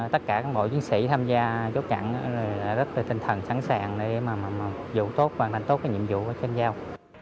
tất cả các bộ chiến sĩ tham gia chốt chặn là rất tinh thần sẵn sàng để vụ tốt và thành tốt nhiệm vụ trên giao